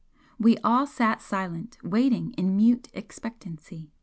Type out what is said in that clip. We all sat silent, waiting in mute expectancy.